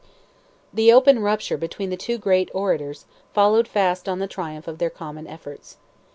The open rupture between the two great orators followed fast on the triumph of their common efforts.